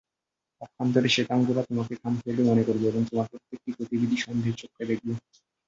পক্ষান্তরে, শ্বেতাঙ্গেরা তোমাকে খামখেয়ালী মনে করবে এবং তোমার প্রত্যেকটি গতিবিধি সন্দেহের চক্ষে দেখবে।